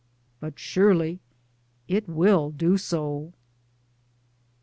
But surely it will do so.